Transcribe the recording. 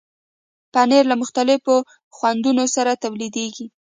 پنېر له مختلفو خوندونو سره تولیدېږي.